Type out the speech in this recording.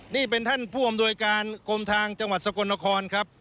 นี่เป็นท่านผู้อำนวยการกรมทางจังหวัดสกลนครครับ